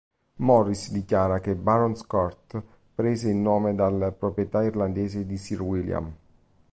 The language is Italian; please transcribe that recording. Morris dichiara che Barons Court prese in nome "dalle proprietà irlandesi di Sir William".